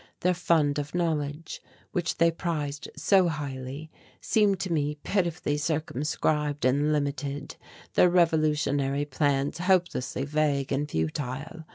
Their fund of knowledge, which they prized so highly, seemed to me pitifully circumscribed and limited, their revolutionary plans hopelessly vague and futile.